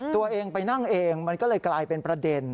ตัวเองไปนั่งเองมันก็เลยกลายเป็นประเด็น